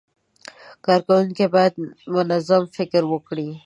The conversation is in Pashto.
کارکوونکي باید منظم فکر وکړي.